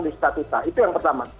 di statuta itu yang pertama